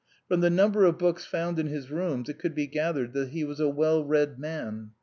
From the number of books found in his rooms it could be gathered that he was a well read man.